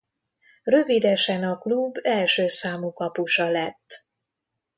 Rövidesen a klub első számú kapusa lett.